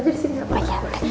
taruh aja disini